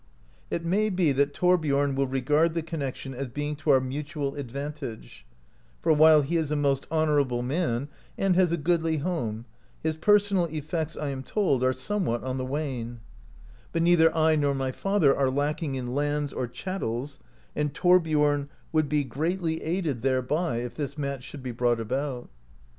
It may be that Thorbiorn will regard the connection as being to our mutual advantage, for [while] he is a most honourable man and has a goodly home, his personal effects, I am told, are somewhat on the wane; but neither I nor my father are lacking in lands or chattels, and Thorbiorn would be greatly aided 33 AMERICA DISCOVERED BY NORSEMEN thereby, if this match should be brought about."